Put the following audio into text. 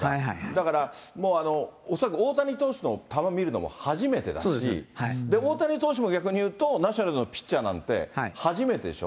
だからもう、恐らく大谷投手の球見るのも初めてだし、大谷投手も逆に言うと、ナショナルズのピッチャーなんて初めてでしょ。